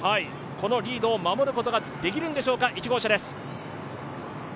このリードを守ることができるんでしょうか、１号車です。